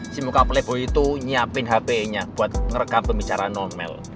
si muka pelepoy itu nyiapin hp nya buat ngerekam pembicaraan non male